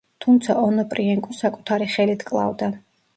თუმცა ონოპრიენკო საკუთარი ხელით კლავდა.